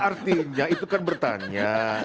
artinya itu kan bertanya